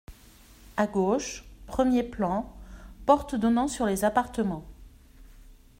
À gauche, premier plan, porte donnant sur les appartements.